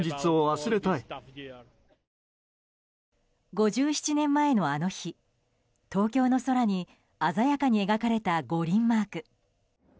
５７年前のあの日東京の空に鮮やかに描かれた五輪マーク。